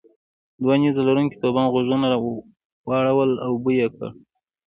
دوو نیزه لرونکو تواب غوږونه واړول او بوی یې کړ.